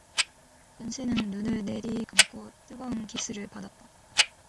영신은 눈을 내리감고 뜨거운 키스를 받았다.